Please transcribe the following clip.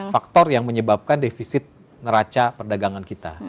faktor yang menyebabkan defisit neraca perdagangan kita